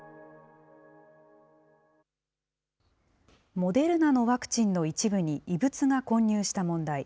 モデルナのワクチンの一部に異物が混入した問題。